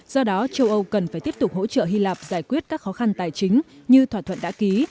do đó châu âu cần phải tiếp tục hỗ trợ hy lạp giải quyết các khó khăn tài chính như thỏa thuận đã ký